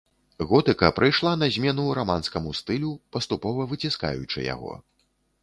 Готыка прыйшла на змену раманскаму стылю, паступова выціскаючы яго.